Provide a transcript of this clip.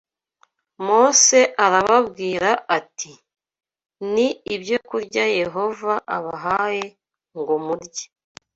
Mose arababwira ati ‘ni ibyokurya Yehova abahaye ngo murye